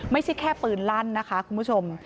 ไม่ใช่แค่ปืนลั่นนะคะคุณผู้ชม